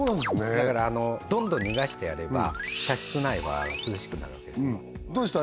だからどんどん逃がしてやれば車室内は涼しくなるんですねどうでした？